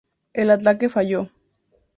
El ataque falló.